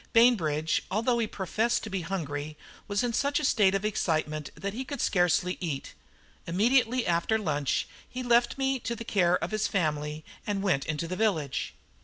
Bainbridge, although he professed to be hungry, was in such a state of excitement that he could scarcely eat. Immediately after lunch he left me to the care of his family and went into the village.